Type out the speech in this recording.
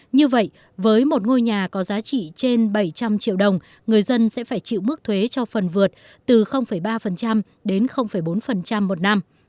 như vậy với một ngôi nhà có giá trị trên bảy trăm linh triệu đồng người dân sẽ phải chịu mức thuế cho phần vượt từ ba đến bốn một năm